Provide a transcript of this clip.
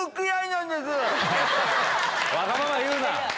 わがまま言うな！